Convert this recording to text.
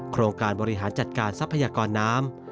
โครงการบริหารจัดการทรัพยากรน้ำ